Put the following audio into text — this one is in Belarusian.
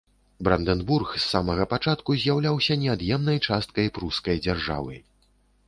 Брандэнбург з самага пачатку з'яўляўся неад'емнай часткай прускай дзяржавы.